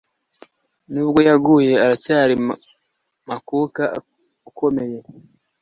Nubwo yaguye, aracyari makuka ukomeye.